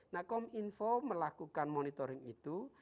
nah kominfo melakukan monitoring itu